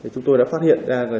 chúng tôi đã phát hiện ra